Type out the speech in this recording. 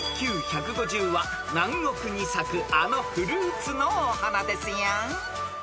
［ＩＱ１５０は南国に咲くあのフルーツのお花ですよ］